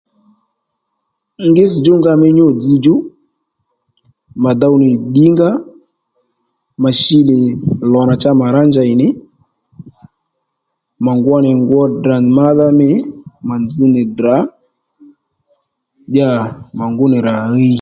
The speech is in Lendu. Ngítss̀ djúnga mí nyû dzzdjú mà dow nì ddǐngǎ mà shi nì lò nà cha mà rǎ njèy nì mà ngwo nì ngwo Ddrà mádha mî ma nzz nì Ddrà ddíyà mà ngú nì rà ɦiy